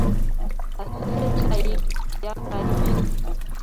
Asase chaik ya kaimen.